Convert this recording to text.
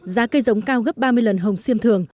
giá cây giống cao gấp ba mươi lần hồng xiêm thường